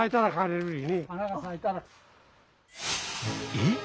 えっ？